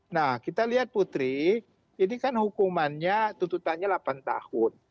nah kita lihat putri ini kan hukumannya tuntutannya delapan tahun